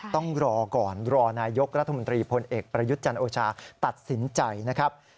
ต้องรอก่อนรอนายกรัฐมนตรีพลเอกประยุทธ์จันโอชาตัดสินใจนะครับ